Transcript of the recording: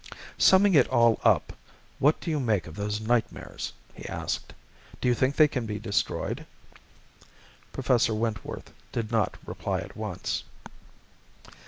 "Summing it all up, what do you make of those nightmares?" he asked. "Do you think they can be destroyed?" Professor Wentworth did not reply at once.